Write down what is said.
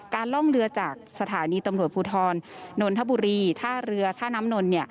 ล่องเรือจากสถานีตำรวจภูทรนนทบุรีท่าเรือท่าน้ำนน